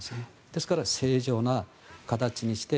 ですから正常な形にして。